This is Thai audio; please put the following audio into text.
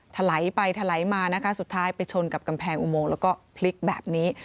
ถลายไปถลายมานะคะสุดท้ายไปชนกับกำแพงอุโมงแล้วก็พลิกแบบนี้